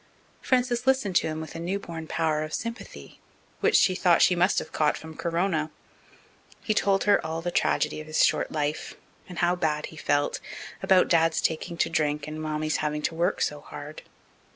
Frances listened to him with a new born power of sympathy, which she thought she must have caught from Corona. He told her all the tragedy of his short life, and how bad he felt, about Dad's taking to drink and Mammy's having to work so hard.